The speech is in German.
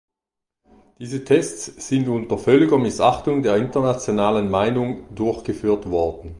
Diese Tests sind unter völliger Missachtung der internationalen Meinung durchgeführt worden.